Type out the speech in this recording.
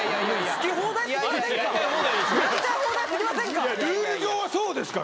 好き放題すぎませんか？